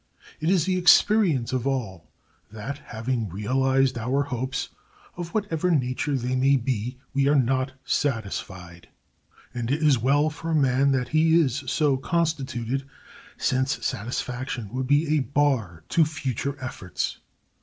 It is the experience of all that, having realized our hopes, of whatever nature they may be, we are not satisfied. And it is well for man that he is so constituted, since satisfaction would be a bar to future efforts.